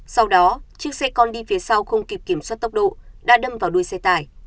sau đó chiếc xe con đi phía sau không kịp kiểm soát tốc độ đã đâm vào đuôi xe tải